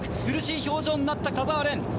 苦しい表情になった田澤廉。